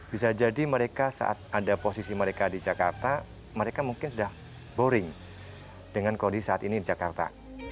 bisa jadi mereka saat ada posisi mereka di jakarta mereka mungkin sudah boring dengan kondisi saat ini di jakarta